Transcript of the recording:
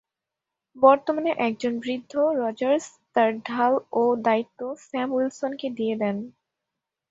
বর্তমানে, একজন বৃদ্ধ রজার্স তার ঢাল ও দ্বায়িত্ব স্যাম উইলসন কে দিয়ে দেন।